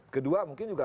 kedua mungkin juga